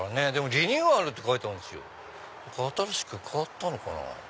リニューアルって書いてある新しく変わったのかな。